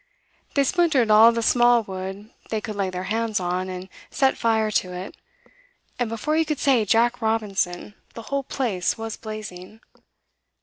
They splintered all the small wood they could lay their hands on, and set fire to it, and before you could say Jack Robinson the whole place was blazing.